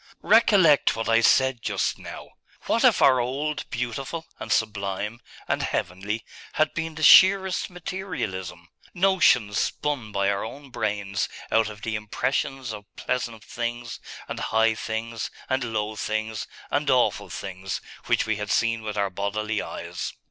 Recollect what I said just now what if our old Beautiful, and Sublime, and Heavenly, had been the sheerest materialism, notions spun by our own brains out of the impressions of pleasant things, and high things, and low things, and awful things, which we had seen with our bodily eyes?